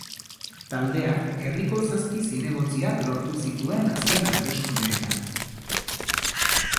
Taldeak herriko zazpi zinegotziak lortu zituen azken hauteskundeetan.